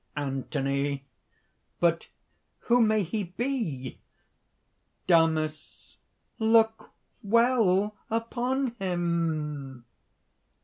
ANTHONY. "But who may he be?" DAMIS. "Look well upon him!"